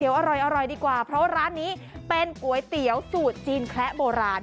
เดี๋ยวอร่อยดีกว่าเพราะร้านนี้เป็นก๋วยเตี๋ยวสูตรจีนแคละโบราณ